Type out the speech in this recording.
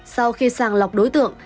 sau khi sàng lọc đối tượng